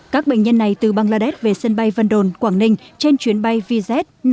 các bệnh nhân này từ bangladesh về sân bay vân đồn quảng ninh trên chuyến bay vz năm nghìn chín trăm sáu mươi bảy